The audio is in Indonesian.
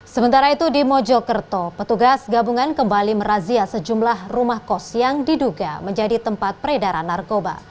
sementara itu di mojokerto petugas gabungan kembali merazia sejumlah rumah kos yang diduga menjadi tempat peredaran narkoba